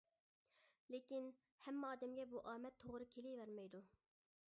لېكىن، ھەممە ئادەمگە بۇ ئامەت توغرا كېلىۋەرمەيدۇ.